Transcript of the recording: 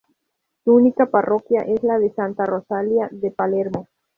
Su única parroquia es la de Santa Rosalía de Palermo.